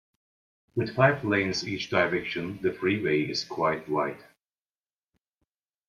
With five lanes each direction, the freeway is quite wide.